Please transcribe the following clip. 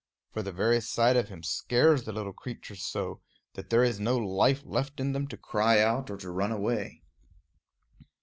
For the very sight of him scares the little creatures so, that there is no life left in them to cry out or to run away.